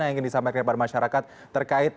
yang ingin disampaikan kepada masyarakat terkait